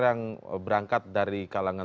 yang berangkat dari kalangan